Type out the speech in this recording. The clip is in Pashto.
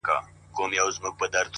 خو بس دا ستا تصوير به كور وران كړو”